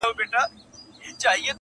هم بادار هم خریدار ته نازنینه -